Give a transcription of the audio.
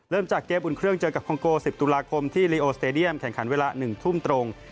เริ่มจากเกมอุ่นเครื่องเจอกับคองโก๑๐ตุลาคมที่ลิโอสเตดียมแข่งขันเวลา๑ทุ่มตรง